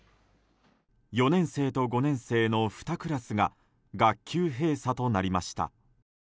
４年生と５年生の２クラスが学級閉鎖となりました。